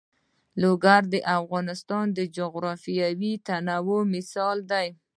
لوگر د افغانستان د جغرافیوي تنوع مثال دی.